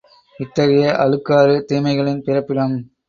இத்தகைய அழுக்காறு தீமைகளின் பிறப்பிடம்.